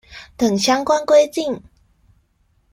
等相關規定